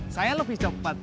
saya lebih cepet